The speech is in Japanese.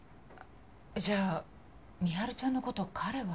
じゃあ美晴ちゃんの事彼は。